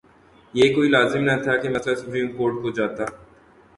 یہ کوئی لازم نہ تھا کہ مسئلہ سپریم کورٹ کو جاتا۔